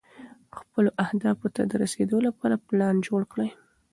خپلو اهدافو ته د رسېدو لپاره پلان جوړ کړئ.